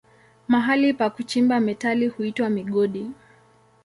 Mahali pa kuchimba metali huitwa migodi.